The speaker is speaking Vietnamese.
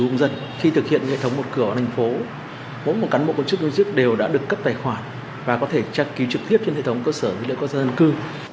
dần dần khi thực hiện hệ thống một cửa ở thành phố mỗi một cán bộ công chức đối diện đều đã được cấp tài khoản và có thể trang ký trực tiếp trên hệ thống cơ sở dữ liệu quốc gia dân cư